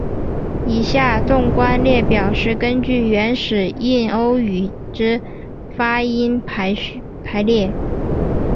以下纵观列表是根据原始印欧语之发音排列。